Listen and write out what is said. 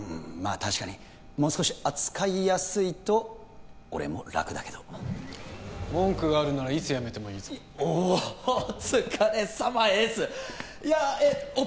確かにもう少し扱いやすいと俺も楽だけど文句があるならいつ辞めてもいいぞお疲れさまエースいやえっオペ